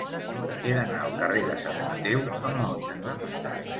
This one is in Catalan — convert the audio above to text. He d'anar al carrer de Sant Mateu amb moto.